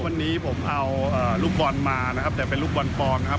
วันนี้ผมเอาลูกบอลมานะครับแต่เป็นลูกบอลปลอมนะครับ